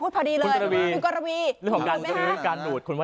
ท่านเสร็จพิสูจน์ค่ะ